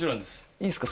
いいっすか？